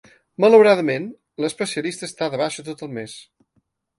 Malauradament, la especialista està de baixa tot el mes.